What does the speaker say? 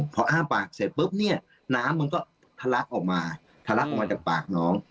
พออ้ามปากเสร็จปุ๊บเนี่ยน้ำมันก็ทะลักออกมาทะลักออกมาจากปากน้อง